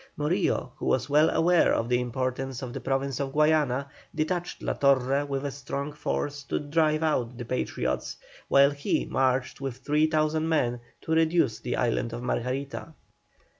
Morillo, who was well aware of the importance of the Province of Guayana, detached La Torre with a strong force to drive out the Patriots, while he marched with 3,000 men to reduce the island of Margarita.